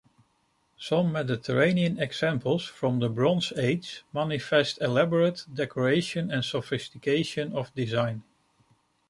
Some Mediterranean examples from the Bronze Age manifest elaborate decoration and sophistication of design.